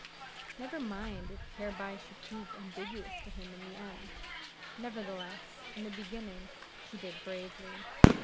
Never mind if hereby she proved ambiguous to him in the end; nevertheless, in the beginning she did bravely.